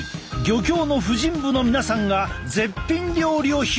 漁協の婦人部の皆さんが絶品料理を披露！